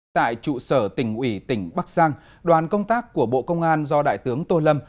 tại trụ sở tỉnh ủy tỉnh bắc giang đoàn công tác của bộ công an do đại tướng tô lâm